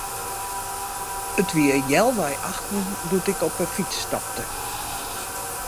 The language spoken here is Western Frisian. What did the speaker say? It wie healwei achten doe't ik op 'e fyts stapte.